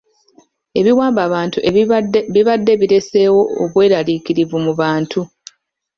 Ebiwambabantu ebibadde bibadde bireeseewo obweraliikirivu mu bantu.